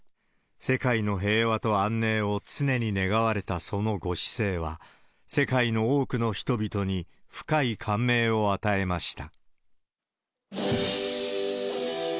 世界の平和と安寧を常に願われたそのご姿勢は、世界の多くの人々に深い感銘を与えました。